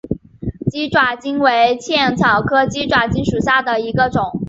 鸡爪簕为茜草科鸡爪簕属下的一个种。